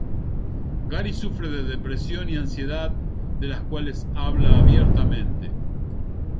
Gary sufre de depresión y ansiedad de las cuales habla abiertamente.